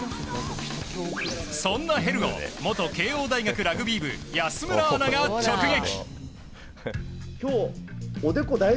そんなヘルを元慶應大学ラグビー部安村アナが直撃。